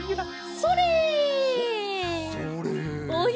それ！